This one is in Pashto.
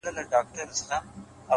او تاته زما د خپلولو په نيت _